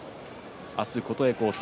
明日、琴恵光戦。